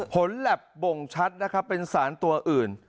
แหลบบ่งชัดนะครับเป็นสารตัวอื่น